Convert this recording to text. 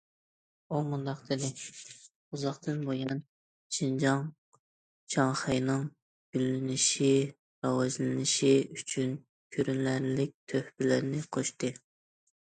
ئۇ مۇنداق دېدى: ئۇزاقتىن بۇيان، شىنجاڭ شاڭخەينىڭ گۈللىنىشى، راۋاجلىنىشى ئۈچۈن كۆرۈنەرلىك تۆھپىلەرنى قوشتى.